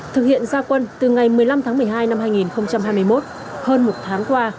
thực hiện gia quân từ ngày một mươi năm tháng một mươi hai năm hai nghìn hai mươi một hơn một tháng qua